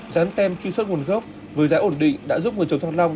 rán tem truy xuất nguồn gốc với giá ổn định đã giúp người chống thanh long